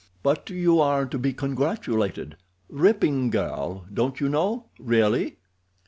"But you are to be congratulated—ripping girl, don't you know—really."